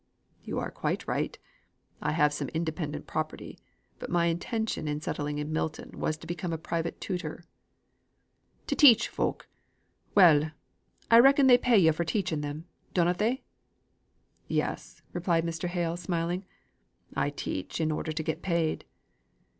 "You are quite right. I have some independent property, but my intention in settling in Milton was to become a private tutor." "To teach folk. Well! I reckon they pay yo' for teaching them, dunnot they?" "Yes," replied Mr. Hale, smiling. "I teach in order to get paid."